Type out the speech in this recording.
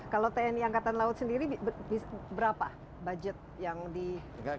kalau tni angkatan laut sendiri berapa budget yang diberikan